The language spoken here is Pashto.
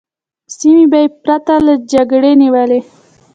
سیمې به یې پرته له جګړې نیولې.